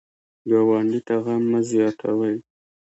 ګاونډي ته غم مه زیاتوئ